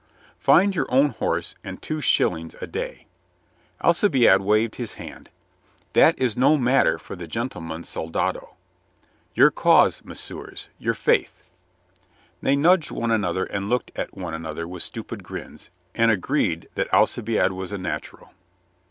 "Find your own horse and two shillings a day." Alcibiade waved his hand. "That is no matter for the gentleman soldado. Your cause, messieurs, your faith?" They nudged one another and looked at one an other with stupid grins, and agreed that Alcibiade was a natural.